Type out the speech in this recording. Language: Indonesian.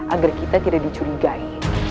agar kita tidak dicurigai